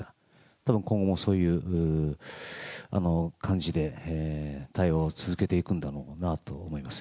たぶん、今後もそういう感じで対話を続けていくんだろうなとは思います。